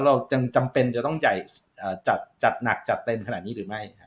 เราจำเป็นจะต้องจัดหนักจัดเต็มขนาดนี้หรือไม่ครับ